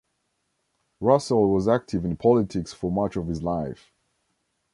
Russell was active in politics for much of his life.